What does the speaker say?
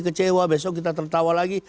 kecewa besok kita tertawa lagi